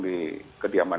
di kediaman itu